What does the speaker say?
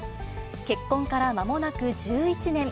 結婚からまもなく１１年。